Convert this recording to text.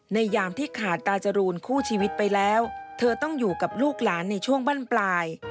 ยามที่ขาดตาจรูนคู่ชีวิตไปแล้วเธอต้องอยู่กับลูกหลานในช่วงบั้นปลาย